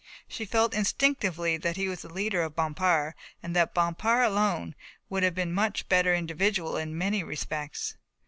She felt instinctively that he was the leader of Bompard and that Bompard alone would have been a much better individual, in many respects.